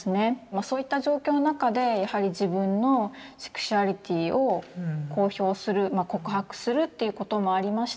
そういった状況の中でやはり自分のセクシュアリティーを公表する告白するということもありまして